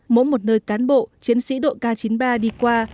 mỗi một nơi cán bộ chiến sĩ đội k chín mươi ba đi qua